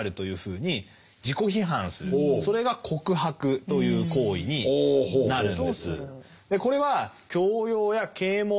従ってそれが告白という行為になるんです。